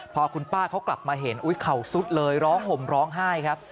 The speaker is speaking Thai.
พอคุณป้าเขากลับมาเห็นอุ๊ยเข่าสุดเลยร้องห่มร้องไห้ครับ